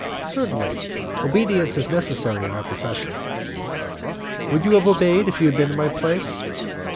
"Certainly; obedience is necessary in our profession." "Would you have obeyed, if you had been in my place?"